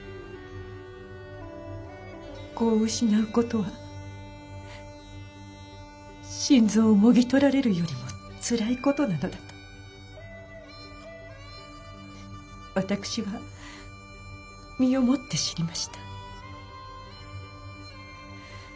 子を失う事は心臓をもぎ取られるよりもつらい事なのだと私は身をもって知りました。